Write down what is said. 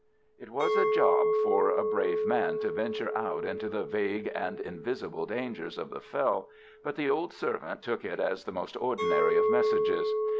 It was a job for a brave man to venture out into the vague and invisible dangers of the fell, but the old servant took it as the most ordinary of messages.